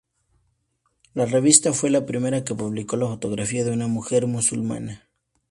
La revista fue la primera que publicó la fotografía de una mujer musulmana.